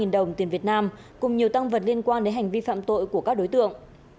sáu trăm năm mươi ba đồng tiền việt nam cùng nhiều tăng vật liên quan đến hành vi phạm tội của các đối tượng